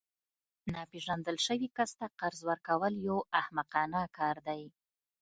ناپیژندل شوي کس ته قرض ورکول یو احمقانه کار دی